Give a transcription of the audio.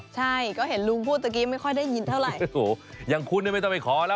ใช่ก็เห็นลุงพูดเมื่อกี้ไม่ค่อยได้ยินเท่าไหร่โอ้โหอย่างคุณเนี่ยไม่ต้องไปขอแล้ว